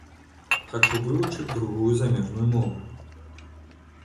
Хачу вывучыць другую замежную мову.